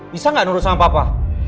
bisa nggak nurut sama papa